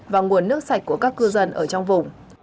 và nguồn nước sạch của các cư dân ở trong vùng